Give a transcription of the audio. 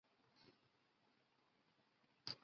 葵阳关遗址的历史年代为明代。